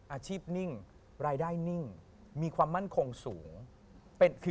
อาชีพนิ่งรายได้นิ่งมีความมั่นคงสูง